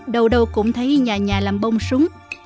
đầu đầu cũng thấy nhà nhà làm bông súng